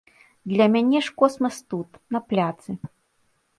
Для мяне ж космас тут, на пляцы.